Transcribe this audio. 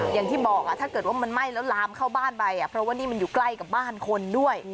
อย่างที่บอกถ้าเกิดว่ามันไหม้แล้วลามเข้าบ้านไปเพราะว่านี่มันอยู่ใกล้กับบ้านคนด้วย